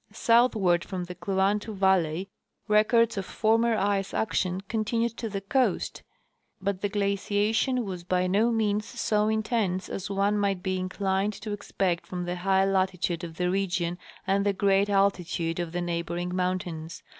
Southward from the Kluantu valley, records of former ice action continued to the coast, but the giaciation was by no means so intense as one might be inclined to expect from the high latitude of the region and the great altitude of the neighboring mountains.